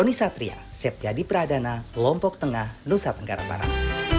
roni satria septyadi pradana lombok tengah nusa tenggara barat